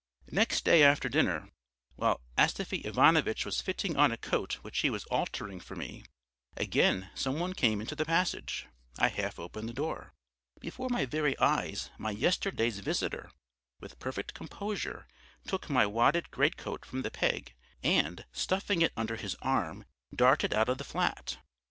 Next day after dinner, while Astafy Ivanovitch was fitting on a coat which he was altering for me, again some one came into the passage. I half opened the door. Before my very eyes my yesterday's visitor, with perfect composure, took my wadded greatcoat from the peg and, stuffing it under his arm, darted out of the flat.